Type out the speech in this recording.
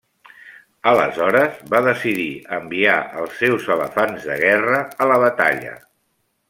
Aleshores va decidir enviar els seus elefants de guerra a la batalla.